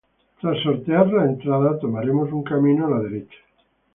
Tras sortear la entrada tomaremos un camino a la derecha.